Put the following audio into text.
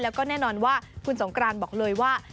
แล้วก็แน่นอนว่าคุณสงกรานบอกเลยว่า